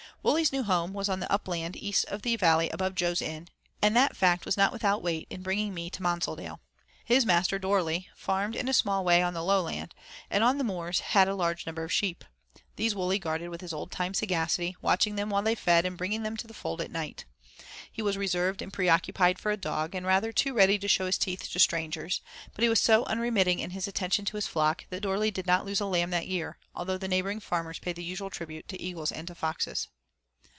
Wully's new home was on the upland east of the valley above Jo's inn, and that fact was not without weight in bringing me to Monsaldale. His master, Dorley, farmed in a small way on the lowland, and on the moors had a large number of sheep. These Wully guarded with his old time sagacity, watching them while they fed and bringing them to the fold at night. He was reserved and preoccupied for a dog, and rather too ready to show his teeth to strangers, but he was so unremitting in his attention to his flock that Dorley did not lose a lamb that year, although the neighboring farmers paid the usual tribute to eagles and to foxes.